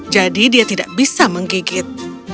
jadi dia tidak bisa menggigit